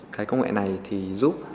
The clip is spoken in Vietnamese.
cái công nghệ này thì giúp